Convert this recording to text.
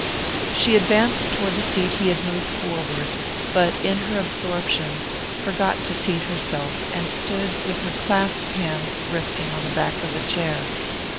She advanced toward the seat he had moved forward, but in her absorption forgot to seat herself, and stood with her clasped hands resting on the back of the chair.